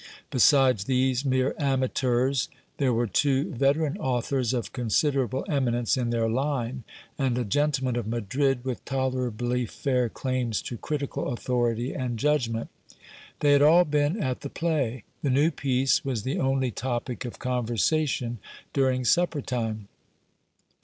Besides these mere amateurs, there were two veteran authors of considerable eminence in their line, and a gentleman of Madrid with tolerably fair claims to critical authority and judgment. They had all been at the play. The new piece was the only topic of conversation during supper time.